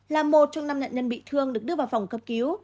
là một trong năm nạn nhân bị thương được đưa vào phòng cấp cứu